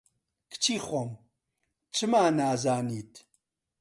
کچی خۆم، چما نازانیت